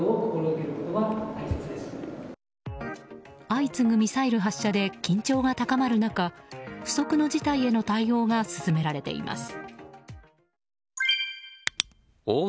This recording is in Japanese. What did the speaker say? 相次ぐミサイル発射で緊張が高まる中不測の事態への対応が進められています。